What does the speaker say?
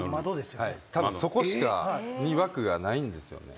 たぶんそこしか枠がないんですよね。